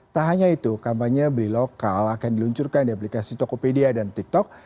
tak hanya itu kampanye beli lokal akan diluncurkan di aplikasi tokopedia dan tiktok